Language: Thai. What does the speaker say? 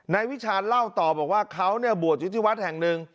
วิชาณเล่าต่อบอกว่าเขาเนี่ยบวชอยู่ที่วัดแห่งหนึ่ง